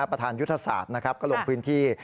ประธานยุทธศาสตร์ก็ลงพื้นที่